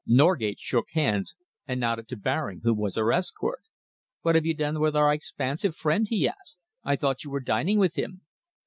Norgate shook hands and nodded to Baring, who was her escort. "What have you done with our expansive friend?" he asked. "I thought you were dining with him."